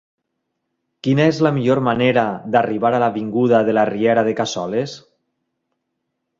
Quina és la millor manera d'arribar a l'avinguda de la Riera de Cassoles?